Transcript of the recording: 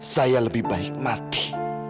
saya lebih baik mati